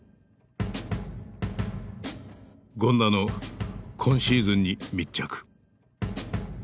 権田の今シーズンに密着。